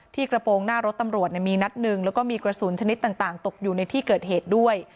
กระโปรงหน้ารถตำรวจมีนัดหนึ่งแล้วก็มีกระสุนชนิดต่างตกอยู่ในที่เกิดเหตุด้วย